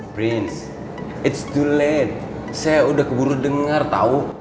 prins it's too late saya udah keburu denger tau